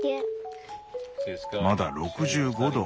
まだ６５度。